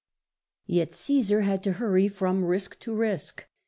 Yet he had to hurry from risk to risk.